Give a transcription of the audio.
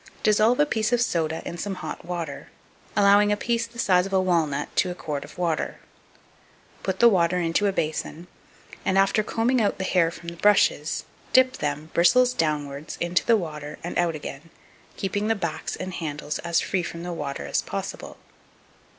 2250. Dissolve a piece of soda in some hot water, allowing a piece the size of a walnut to a quart of water. Put the water into a basin, and, after combing out the hair from the brushes, dip them, bristles downwards, into the water and out again, keeping the backs and handles as free from the water as possible.